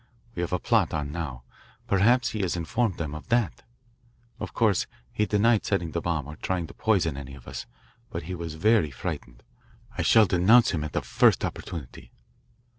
We have a plot on now perhaps he has informed them of that. Of course he denied setting the bomb or trying to poison any of us, but he was very frightened. I shall denounce him at the first opportunity."